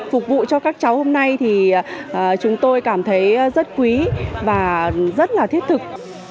phục vụ cho các cháu hôm nay thì chúng tôi cảm thấy rất quý và rất là thiết thực